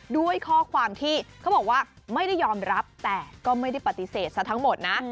ด้วยข้อความที่เขาบอกว่าไม่ได้ยอมรับแต่ก็ไม่ได้ปฏิเสธซะทั้งหมดนะ